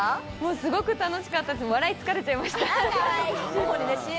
すごく楽しかったし、笑い疲れちゃいました。